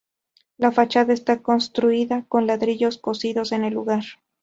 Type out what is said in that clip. La fachada está construida con ladrillos cocidos en el lugar.